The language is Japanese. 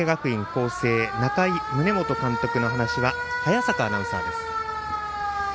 光星仲井宗基監督の話は早坂アナウンサーです。